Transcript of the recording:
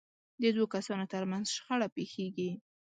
د دوو کسانو ترمنځ شخړه پېښېږي.